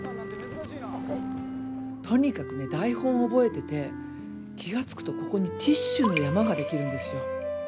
とにかくね台本覚えてて気が付くとここにティッシュの山ができるんですよ。